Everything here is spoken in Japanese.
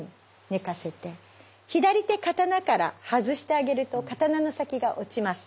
左手刀から外してあげると刀の先が落ちます。